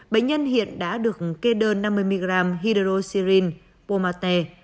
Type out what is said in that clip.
bệnh nhân hiện đã được kê đơn năm mươi mg hydroxyrin pomate